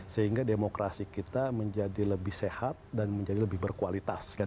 sehingga demokrasi kita menjadi lebih sehat dan menjadi lebih berkualitas